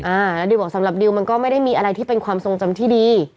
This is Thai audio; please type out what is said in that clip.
อ่าแล้วดิวบอกสำหรับดิวมันก็ไม่ได้มีอะไรที่เป็นความทรงจำที่ดี